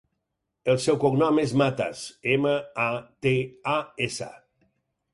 El seu cognom és Matas: ema, a, te, a, essa.